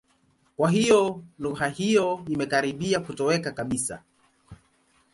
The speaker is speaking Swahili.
Kwa hiyo lugha hiyo imekaribia kutoweka kabisa.